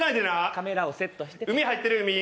カメラをセットして。